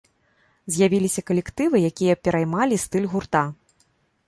З'явіліся калектывы, якія пераймалі стыль гурта.